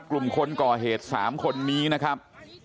กลุ่มคนก่อเหตุ๓คนนี้นะครับ